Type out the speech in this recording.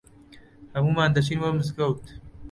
هەموومان دەچین بۆ مزگەوت.